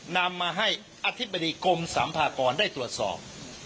นำมาให้อธิบดีกรมสัมภากรได้ตรวจสอบ